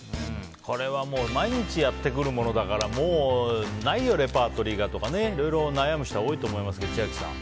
これは毎日やってくるものだからもう、ないよレパートリーがとかいろいろ悩む人は多いと思いますけど、千秋さん。